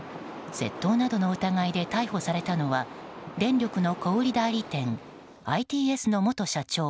窃盗などの疑いで逮捕されたのは電力の小売代理店Ｉ・Ｔ・Ｓの元社長